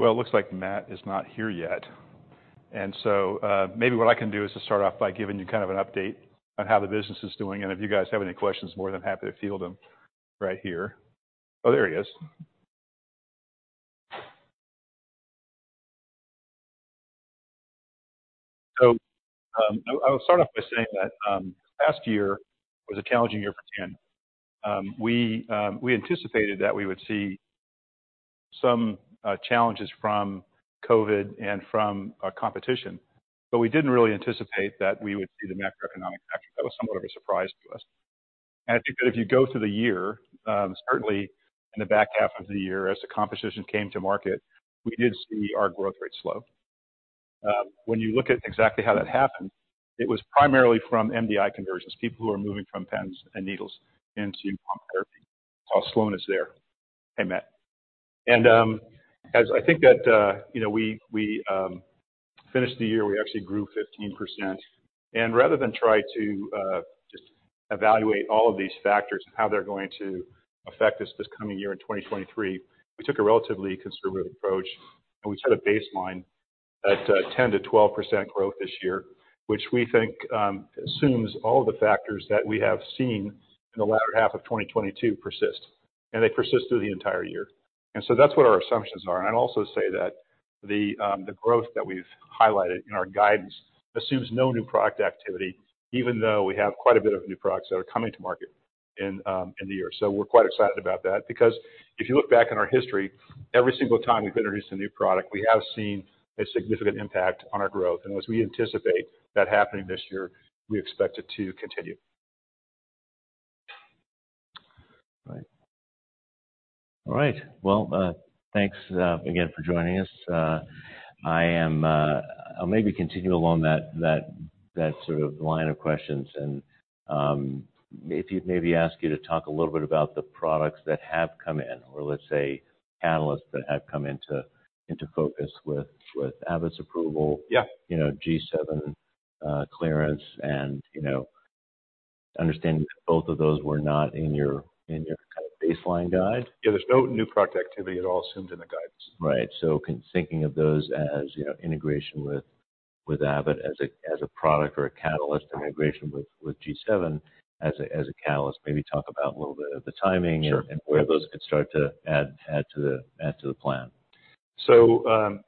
Well, it looks like Matt is not here yet. Maybe what I can do is to start off by giving you kind of an update on how the business is doing, and if you guys have any questions, more than happy to field them right here. Oh, there he is. I'll start off by saying that last year was a challenging year for Tandem. We anticipated that we would see some challenges from COVID and from competition. We didn't really anticipate that we would see the macroeconomic factor. That was somewhat of a surprise to us. I think that if you go through the year, certainly in the back half of the year as the competition came to market, we did see our growth rate slow. When you look at exactly how that happened, it was primarily from MDI conversions, people who are moving from pens and needles into pump therapy. Saw a slowing OUS there. Hey, Matt. As I think that, you know, we finished the year, we actually grew 15%. Rather than try to just evaluate all of these factors and how they're going to affect us this coming year in 2023, we took a relatively conservative approach, and we set a baseline at 10%-12% growth this year, which we think assumes all of the factors that we have seen in the latter half of 2022 persist, and they persist through the entire year. That's what our assumptions are. I'd also say that the growth that we've highlighted in our guidance assumes no new product activity, even though we have quite a bit of new products that are coming to market in the year. We're quite excited about that. If you look back in our history, every single time we've introduced a new product, we have seen a significant impact on our growth. As we anticipate that happening this year, we expect it to continue. All right. All right. Well, thanks again for joining us. I'll maybe continue along that sort of line of questions. If you'd maybe ask you to talk a little bit about the products that have come in or let's say, catalysts that have come into focus with Abbott's approval. Yeah. You know, G7, clearance and, you know, understanding both of those were not in your, in your kind of baseline guide. Yeah, there's no new product activity at all assumed in the guidance. Right. Thinking of those as, you know, integration with Abbott as a product or a catalyst and integration with G7 as a catalyst. Maybe talk about a little bit of the timing. Sure. Where those could start to add to the plan.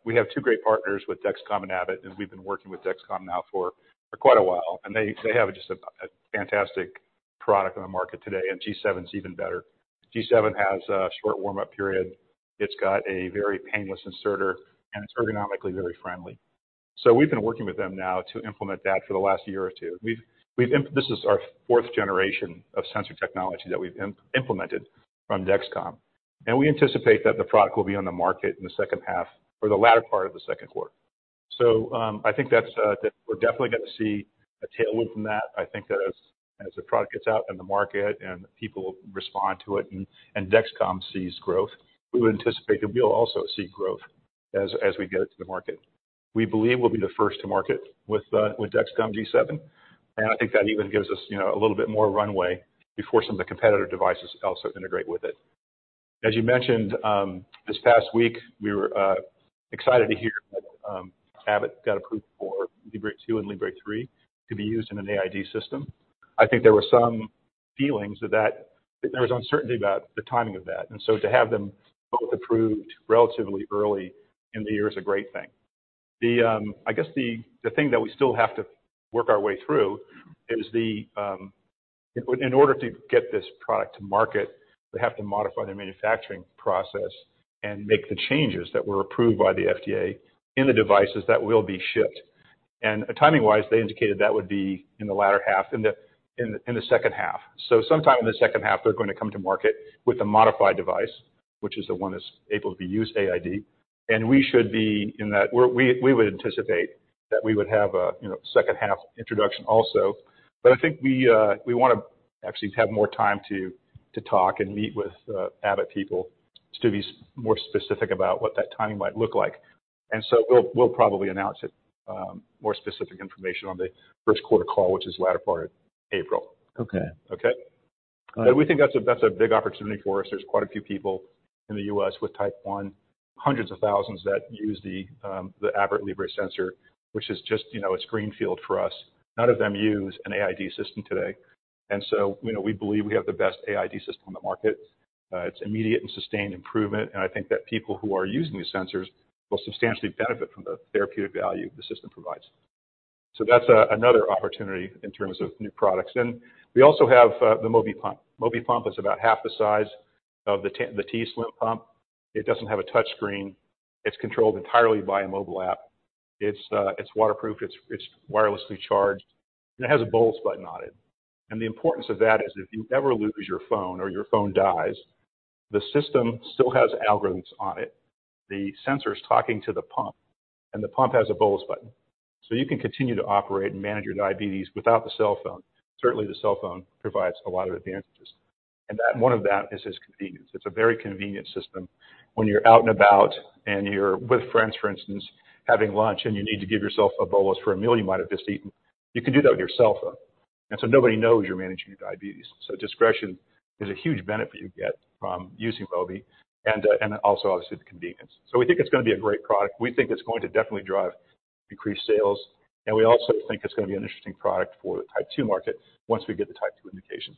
We have two great partners with Dexcom and Abbott, and we've been working with Dexcom now for quite a while. They have just a fantastic product on the market today, and G7's even better. G7 has a short warm-up period. It's got a very painless inserter, and it's ergonomically very friendly. We've been working with them now to implement that for the last year or two. This is our fourth generation of sensor technology that we've implemented from Dexcom. We anticipate that the product will be on the market in the second half or the latter part of the second quarter. I think that we're definitely gonna see a tailwind from that. I think that as the product gets out in the market and people respond to it and Dexcom sees growth, we would anticipate that we'll also see growth as we get it to the market. We believe we'll be the first to market with Dexcom G7, and I think that even gives us, you know, a little bit more runway before some of the competitor devices also integrate with it. As you mentioned, this past week, we were excited to hear that Abbott got approved for FreeStyle Libre 2 and FreeStyle Libre 3 to be used in an AID system. I think there were some feelings that there was uncertainty about the timing of that. So to have them both approved relatively early in the year is a great thing. The, I guess the thing that we still have to work our way through is the, in order to get this product to market, they have to modify their manufacturing process and make the changes that were approved by the FDA in the devices that will be shipped. Timing-wise, they indicated that would be in the latter half, in the second half. Sometime in the second half, they're going to come to market with a modified device, which is the one that's able to be used AID. We should be in that. We would anticipate that we would have a, you know, second-half introduction also. I think we wanna actually have more time to talk and meet with Abbott people to be more specific about what that timing might look like. We'll probably announce it, more specific information on the first quarter call, which is latter part of April. Okay. Okay? All right. We think that's a big opportunity for us. There's quite a few people in the U.S. with Type 1, hundreds of thousands that use the Abbott Libre sensor, which is just, you know, it's greenfield for us. None of them use an AID system today. You know, we believe we have the best AID system on the market. It's immediate and sustained improvement, and I think that people who are using these sensors will substantially benefit from the therapeutic value the system provides. That's another opportunity in terms of new products. We also have the Mobi Pump. Mobi Pump is about half the size of the t:slim pump. It doesn't have a touchscreen. It's controlled entirely by a mobile app. It's waterproof, it's wirelessly charged, and it has a bolus button on it. The importance of that is if you ever lose your phone or your phone dies, the system still has algorithms on it. The sensor is talking to the pump, and the pump has a bolus button. You can continue to operate and manage your diabetes without the cell phone. Certainly, the cell phone provides a lot of advantages. One of that is convenience. It's a very convenient system when you're out and about and you're with friends, for instance, having lunch and you need to give yourself a bolus for a meal you might have just eaten. You can do that with your cell phone. Nobody knows you're managing your diabetes. Discretion is a huge benefit you get from using Mobi and also obviously the convenience. We think it's going to be a great product. We think it's going to definitely drive increased sales, and we also think it's going to be an interesting product for the Type 2 market once we get the Type 2 indication.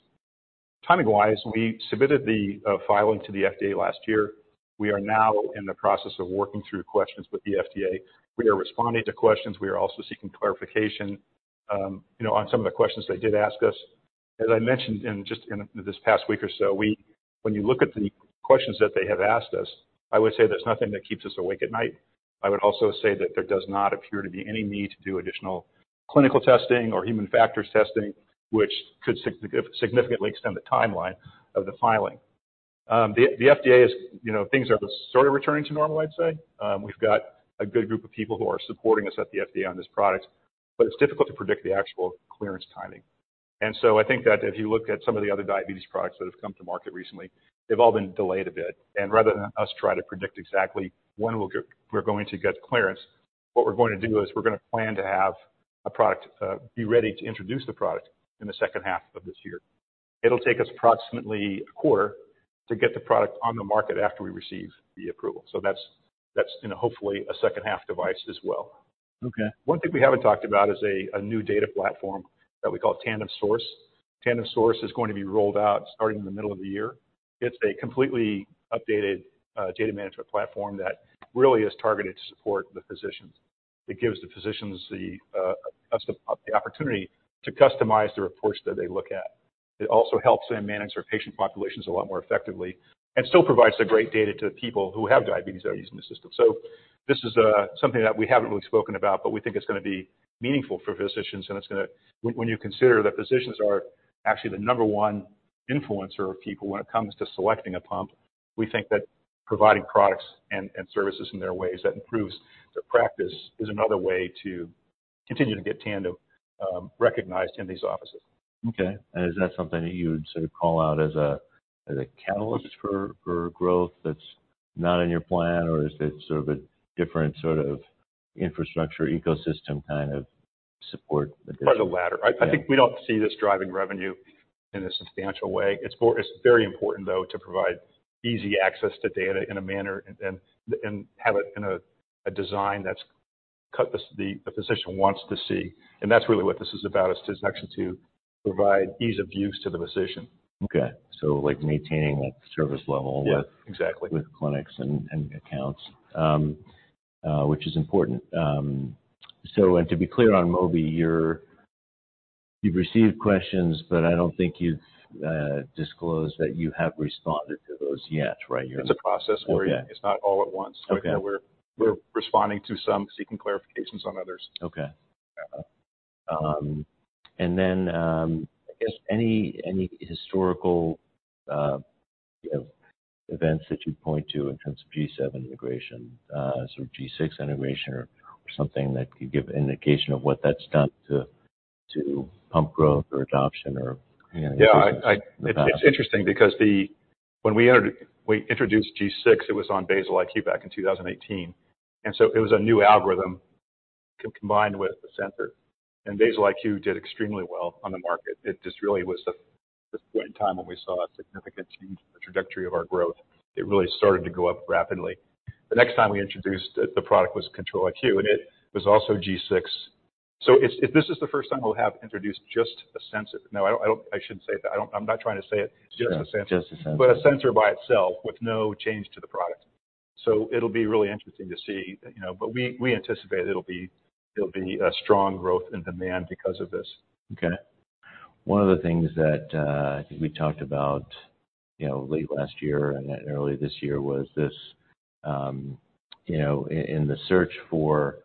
Timing-wise, we submitted the filing to the FDA last year. We are now in the process of working through questions with the FDA. We are responding to questions. We are also seeking clarification, you know, on some of the questions they did ask us. As I mentioned just in this past week or so, when you look at the questions that they have asked us, I would say there's nothing that keeps us awake at night. I would also say that there does not appear to be any need to do additional clinical testing or human factors testing, which could significantly extend the timeline of the filing. The FDA is, you know, things are sort of returning to normal, I'd say. We've got a good group of people who are supporting us at the FDA on this product, but it's difficult to predict the actual clearance timing. I think that if you look at some of the other diabetes products that have come to market recently, they've all been delayed a bit. Rather than us try to predict exactly when we're going to get clearance, what we're going to do is we're going to plan to have a product be ready to introduce the product in the second half of this year. It'll take us approximately a quarter to get the product on the market after we receive the approval. That's, you know, hopefully a second-half device as well. Okay. One thing we haven't talked about is a new data platform that we call Tandem Source. Tandem Source is going to be rolled out starting in the middle of the year. It's a completely updated data management platform that really is targeted to support the physicians. It gives the physicians the opportunity to customize the reports that they look at. It also helps them manage their patient populations a lot more effectively and still provides the great data to the people who have diabetes that are using the system. This is something that we haven't really spoken about, but we think it's going to be meaningful for physicians, and it's gonna... When you consider that physicians are actually the number one influencer of people when it comes to selecting a pump, we think that providing products and services in their ways that improves their practice is another way to continue to get Tandem recognized in these offices. Okay. Is that something that you would sort of call out as a, as a catalyst for growth that's not in your plan, or is it sort of a different sort of infrastructure ecosystem kind of support addition? Part of the latter. Yeah. I think we don't see this driving revenue in a substantial way. It's very important, though, to provide easy access to data in a manner and, and have it in a design that the physician wants to see. That's really what this is about, actually to provide ease of use to the physician. Okay. like maintaining that service level. Yeah. Exactly. -with clinics and accounts, which is important. To be clear on Mobi, you've received questions, but I don't think you've disclosed that you have responded to those yet, right? It's a process. Okay. It's not all at once. Okay. you know, we're responding to some, seeking clarification on some others. Okay. Yeah. I guess any historical events that you'd point to in terms of G7 integration, G6 integration or something that could give indication of what that's done to pump growth or adoption or business development? Yeah. I It's interesting because when we introduced G6, it was on Basal-IQ back in 2018. It was a new algorithm combined with the sensor. Basal-IQ did extremely well on the market. It just really was a point in time when we saw a significant change in the trajectory of our growth. It really started to go up rapidly. The next time we introduced the product was Control-IQ, and it was also G6. This is the first time we'll have introduced just a sensor. No, I shouldn't say that. I'm not trying to say it's just a sensor. Sure. Just a sensor. A sensor by itself with no change to the product. It'll be really interesting to see, you know. We anticipate it'll be a strong growth in demand because of this. One of the things that I think we talked about, you know, late last year and early this year was this, you know, in the search for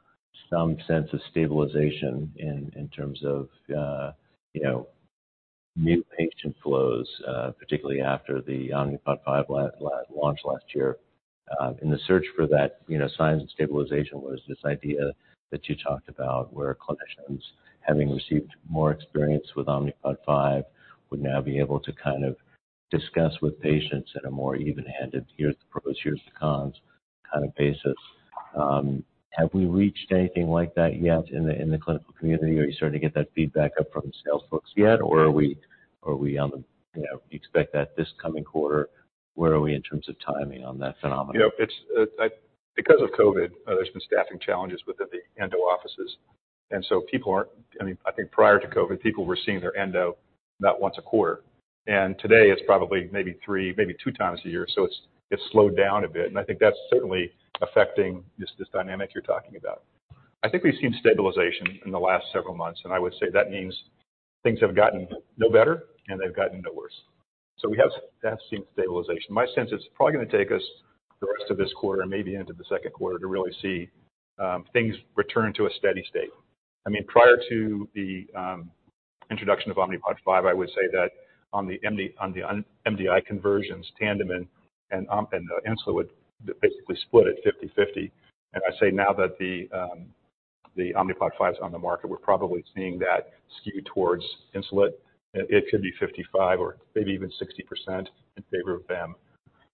some sense of stabilization in terms of, you know, new patient flows, particularly after the Omnipod 5 launch last year. In the search for that, you know, signs of stabilization was this idea that you talked about where clinicians, having received more experience with Omnipod 5, would now be able to kind of discuss with patients in a more even-handed, here's the pros, here's the cons, kind of basis. Have we reached anything like that yet in the clinical community? Are you starting to get that feedback up from the sales folks yet? Are we on the, you know, expect that this coming quarter? Where are we in terms of timing on that phenomenon? You know, it's, Because of COVID, there's been staffing challenges within the endo offices. People aren't, I mean, I think prior to COVID, people were seeing their endo about once a quarter. Today, it's probably maybe three, maybe two times a year. It's slowed down a bit, and I think that's certainly affecting this dynamic you're talking about. I think we've seen stabilization in the last several months, and I would say that means things have gotten no better, and they've gotten no worse. We have seen stabilization. My sense is it's probably gonna take us the rest of this quarter and maybe into the second quarter to really see, things return to a steady state. I mean, prior to the introduction of Omnipod 5, I would say that on the MDI conversions, Tandem and Insulet would basically split at 50/50. I say now that the Omnipod 5 is on the market, we're probably seeing that skew towards Insulet. It could be 55% or maybe even 60% in favor of them.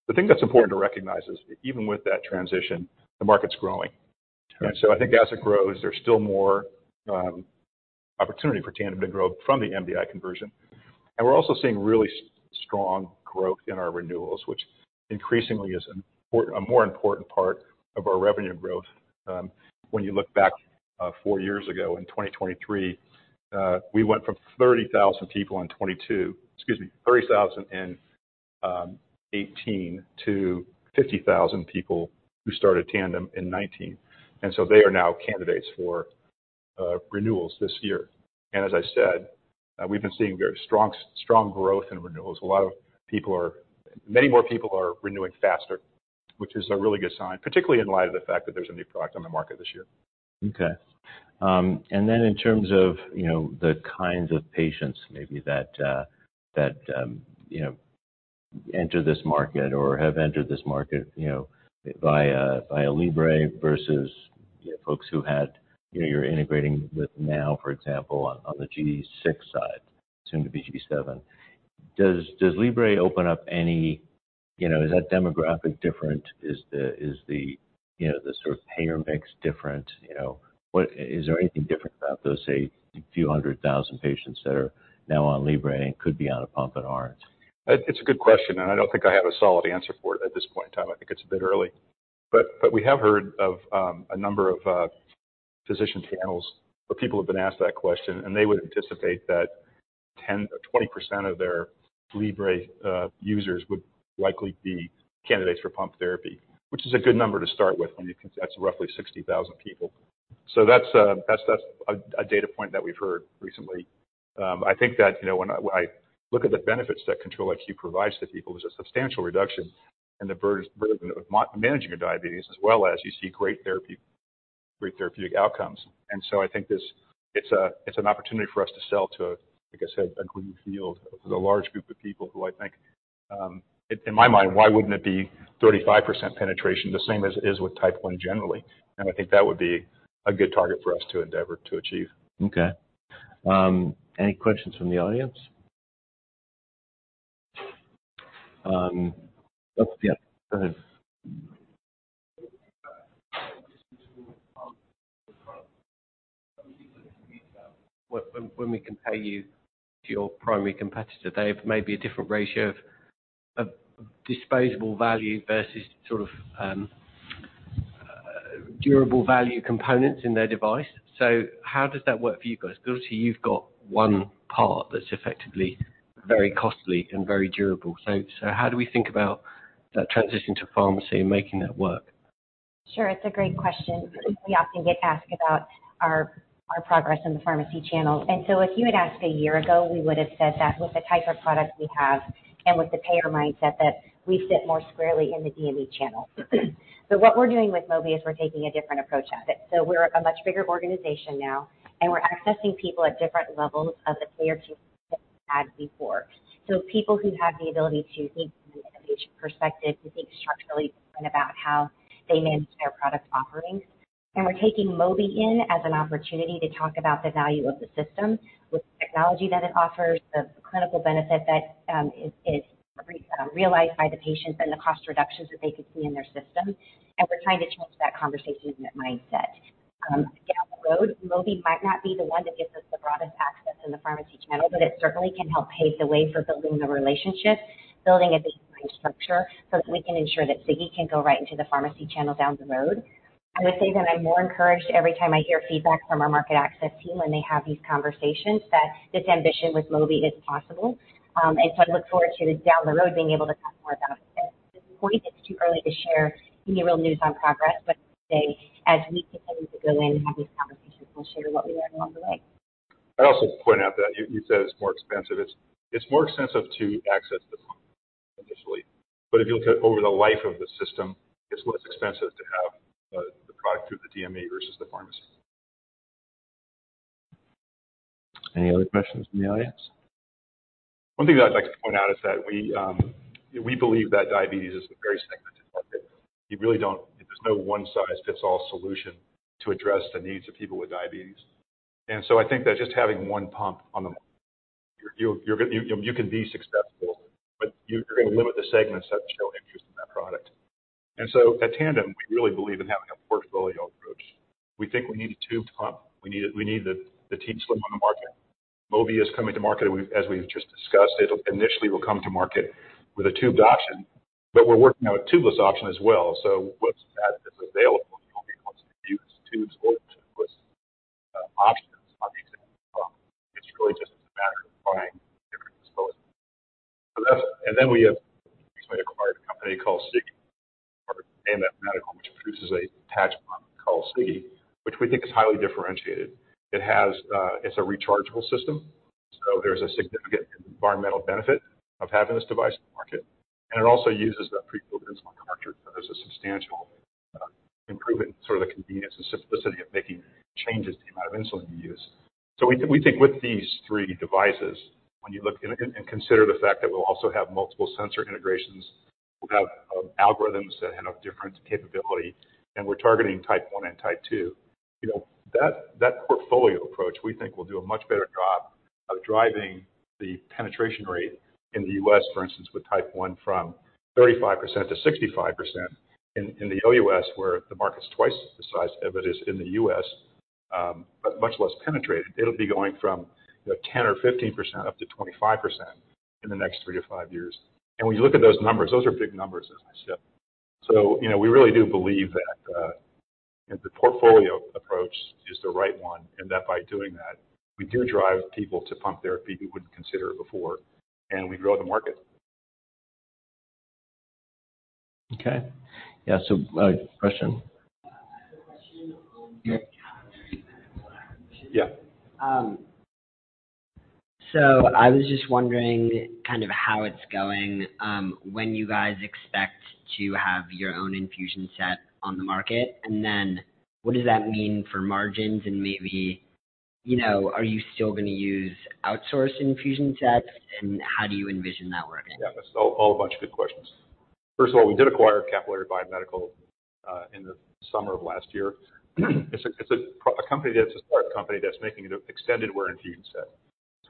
The thing that's important to recognize is even with that transition, the market's growing. I think as it grows, there's still more opportunity for Tandem to grow from the MDI conversion. We're also seeing really strong growth in our renewals, which increasingly is a more important part of our revenue growth. When you look back, four years ago in 2023, we went from 30,000 people in 2022. Excuse me, 30,000 in 18,000-50,000 people who started Tandem in 2019. They are now candidates for renewals this year. As I said, we've been seeing very strong growth in renewals. Many more people are renewing faster, which is a really good sign, particularly in light of the fact that there's a new product on the market this year. Okay. Then in terms of, you know, the kinds of patients maybe that, you know, enter this market or have entered this market, you know, via Libre versus, you know, folks who had, you know, you're integrating with now, for example, on the G6 side, soon to be G7. Does, does Libre open up any... You know, is that demographic different? Is the, you know, the sort of payer mix different? You know, Is there anything different about those, say, few 100,000 patients that are now on Libre and could be on a pump and aren't? It's a good question, and I don't think I have a solid answer for it at this point in time. I think it's a bit early. We have heard of a number of physician panels where people have been asked that question, and they would anticipate that 10% or 20% of their Libre users would likely be candidates for pump therapy, which is a good number to start with when you that's roughly 60,000 people. That's a data point that we've heard recently. I think that, you know, when I look at the benefits that Control-IQ provides to people, there's a substantial reduction in the burden of managing your diabetes, as well as you see great therapy, great therapeutic outcomes. I think it's an opportunity for us to sell to, like I said, a green field with a large group of people who I think, in my mind, why wouldn't it be 35% penetration, the same as it is with Type 1 generally? I think that would be a good target for us to endeavor to achieve. Okay. Any questions from the audience? Oh, yeah, go ahead. When we compare you to your primary competitor, they have maybe a different ratio of disposable value versus sort of durable value components in their device. How does that work for you guys? Because obviously, you've got one part that's effectively very costly and very durable. How do we think about that transition to pharmacy and making that work? Sure. It's a great question. We often get asked about our progress in the pharmacy channels. If you had asked a year ago, we would have said that with the type of product we have and with the payer mindset that we fit more squarely in the DME channel. What we're doing with Mobi is we're taking a different approach at it. We're a much bigger organization now, and we're accessing people at different levels of the payer chain had before. People who have the ability to think from an innovation perspective, to think structurally different about how they manage their product offerings. We're taking Mobi in as an opportunity to talk about the value of the system with the technology that it offers, the clinical benefit that is realized by the patients and the cost reductions that they could see in their system. We're trying to change that conversation and that mindset. Down the road, Mobi might not be the one that gives us the broadest access in the pharmacy channel, but it certainly can help pave the way for building the relationship, building a baseline structure so that we can ensure that Sigi can go right into the pharmacy channel down the road. I would say that I'm more encouraged every time I hear feedback from our market access team when they have these conversations that this ambition with Mobi is possible. I look forward to down the road being able to talk more about it. At this point, it's too early to share any real news on progress, but I'd say as we continue to go in and have these conversations, we'll share what we learn along the way. I'd also point out that you said it's more expensive. It's more expensive to access the pump initially. If you look at over the life of the system, it's less expensive to have the product through the DME versus the pharmacy. Any other questions from the audience? One thing that I'd like to point out is that we believe that diabetes is a very segmented market. You really don't. There's no one-size-fits-all solution to address the needs of people with diabetes. I think that just having one pump on the market, you're, you can be successful, but you're gonna limit the segments that show interest in that product. At Tandem, we really believe in having a portfolio approach. We think we need a tubed pump. We need a, we need the t:slim on the market. Mobi is coming to market, as we've just discussed. It initially will come to market with a tubed option, but we're working on a tubeless option as well. Once that is available, Mobi wants to use tubes or tubeless options on the exact pump. It's really just a matter of buying different disposables. That's. Then we have recently acquired a company called Sigi, or AMF Medical, which produces a patch pump called Sigi, which we think is highly differentiated. It has. It's a rechargeable system, so there's a significant environmental benefit of having this device in the market. It also uses the pre-filled insulin cartridge that has a substantial improvement in sort of the convenience and simplicity of making changes to the amount of insulin you use. We think with these three devices, when you look and consider the fact that we'll also have multiple sensor integrations, we'll have algorithms that have different capability, and we're targeting Type 1 and Type 2. You know, that portfolio approach, we think will do a much better job of driving the penetration rate in the U.S., for instance, with Type 1 from 35%-65%. In the OUS, where the market's twice the size of it is in the U.S., but much less penetrated. It'll be going from, you know, 10% or 15% up to 25% in the next 3-5 years. When you look at those numbers, those are big numbers, as I said. You know, we really do believe that, the portfolio approach is the right one, and that by doing that, we do drive people to pump therapy who wouldn't consider it before, and we grow the market. Okay. Yeah. question. I have a question on. Yeah. I was just wondering kind of how it's going, when you guys expect to have your own infusion set on the market? What does that mean for margins and maybe, you know, are you still gonna use outsourced infusion sets, how do you envision that working? Yeah. That's all a bunch of good questions. First of all, we did acquire Capillary Biomedical in the summer of last year. It's a company that's a smart company that's making an extended wear infusion set.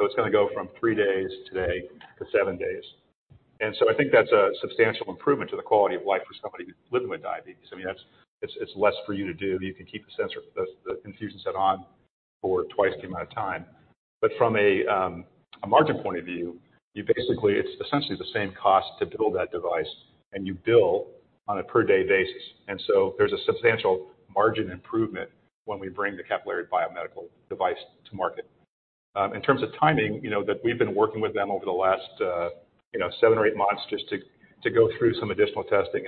It's gonna go from three days today to seven days. I think that's a substantial improvement to the quality of life for somebody living with diabetes. I mean, it's less for you to do. You can keep the sensor, the infusion set on for twice the amount of time. From a margin point of view, it's essentially the same cost to build that device, and you bill on a per day basis. There's a substantial margin improvement when we bring the Capillary Biomedical device to market. In terms of timing, you know, that we've been working with them over the last, you know, seven or eight months just to go through some additional testing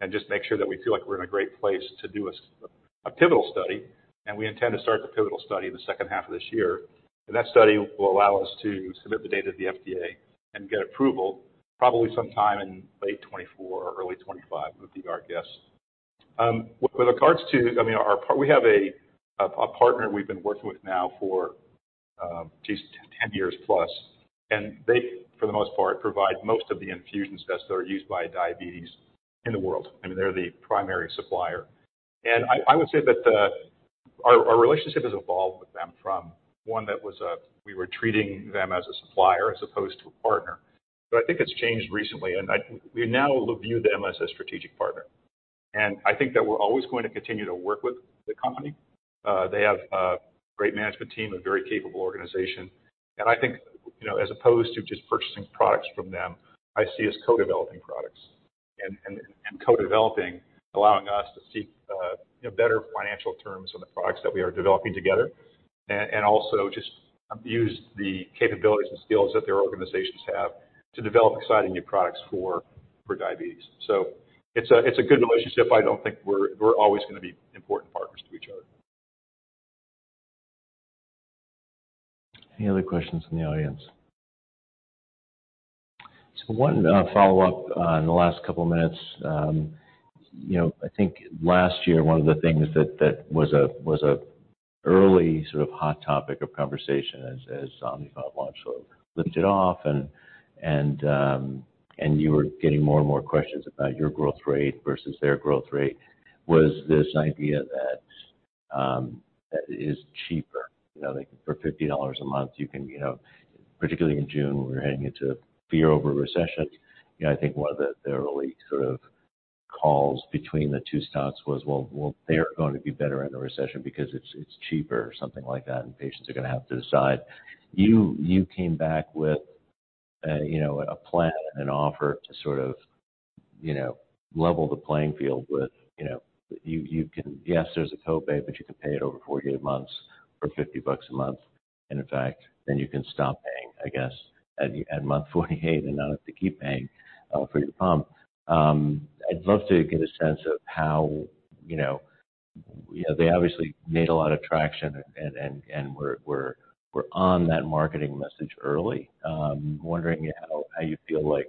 and just make sure that we feel like we're in a great place to do a pivotal study. We intend to start the pivotal study in the second half of this year. That study will allow us to submit the data to the FDA and get approval probably sometime in late 2024 or early 2025, would be our guess. With regards to, I mean, we have a partner we've been working with now for, geez, 10+ years. They, for the most part, provide most of the infusion sets that are used by diabetes in the world. I mean, they're the primary supplier. I would say that our relationship has evolved with them from one that was we were treating them as a supplier as opposed to a partner. I think it's changed recently, and we now view them as a strategic partner. I think that we're always going to continue to work with the company. They have a great management team, a very capable organization. I think, you know, as opposed to just purchasing products from them, I see us co-developing products and co-developing allowing us to seek, you know, better financial terms on the products that we are developing together. Also just use the capabilities and skills that their organizations have to develop exciting new products for diabetes. It's a good relationship. I don't think We're always gonna be important partners to each other. Any other questions from the audience? One follow-up on the last couple of minutes. You know, I think last year, one of the things that was an early sort of hot topic of conversation as Omnipod launch sort of lifted off and you were getting more and more questions about your growth rate versus their growth rate, was this idea that is cheaper. You know, like for $50 a month. You know, particularly in June, we were heading into fear over recession. You know, I think one of the early sort of calls between the two stocks was, well, they're going to be better in the recession because it's cheaper or something like that, and patients are gonna have to decide. You, you came back with, you know, a plan and an offer to sort of, you know, level the playing field with. You know, you can Yes, there's a copay, but you can pay it over 48 months for $50 a month. In fact, then you can stop paying, I guess, at month 48 and not have to keep paying for your pump. I'd love to get a sense of how, you know. They obviously made a lot of traction and were on that marketing message early. Wondering how you feel like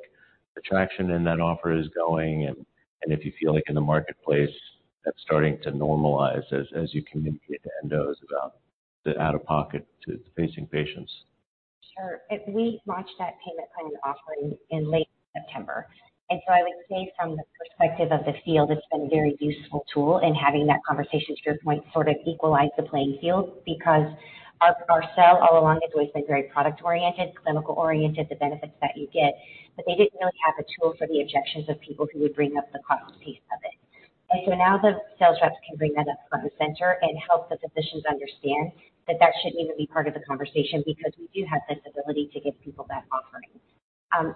the traction in that offer is going and if you feel like in the marketplace that's starting to normalize as you communicate to endos about the out-of-pocket facing patients. Sure. We launched that payment plan offering in late September. I would say from the perspective of the field, it's been a very useful tool in having that conversation, to your point, sort of equalize the playing field. Our sell all along has always been very product-oriented, clinical-oriented, the benefits that you get. They didn't really have a tool for the objections of people who would bring up the cost piece of it. Now the sales reps can bring that up front and center and help the physicians understand that that shouldn't even be part of the conversation because we do have this ability to give people that offering.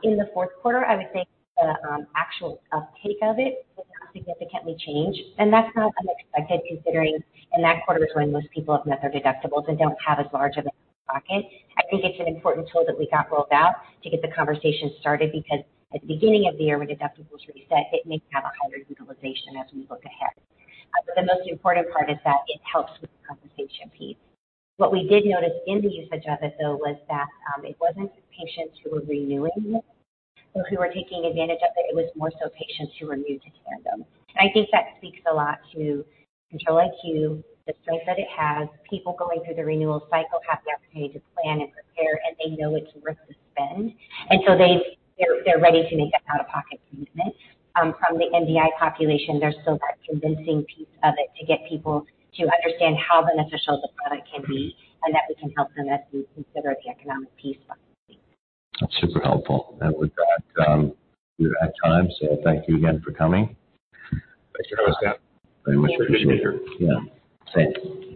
In the fourth quarter, I would say the actual uptake of it did not significantly change. That's not unexpected considering in that quarter is when most people have met their deductibles and don't have as large of a pocket. I think it's an important tool that we got rolled out to get the conversation started because at the beginning of the year, when deductibles reset, it may have a higher utilization as we look ahead. The most important part is that it helps with the conversation piece. What we did notice in the usage of it, though, was that it wasn't patients who were renewing it or who were taking advantage of it. It was more so patients who were new to Tandem. I think that speaks a lot to Control-IQ, the strength that it has. People going through the renewal cycle have the opportunity to plan and prepare, they know it's worth the spend. They're ready to make that out-of-pocket commitment. From the MDI population, there's still that convincing piece of it to get people to understand how beneficial the product can be and that we can help them as we consider the economic piece of it. That's super helpful. With that, we are at time. Thank you again for coming. Thanks for having us, Dan. Very much appreciate it. Always good to be here. Yeah. Same.